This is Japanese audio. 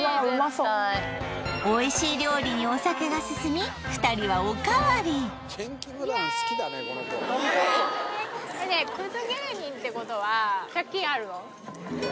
そおいしい料理にお酒が進み２人はおかわりイエーイ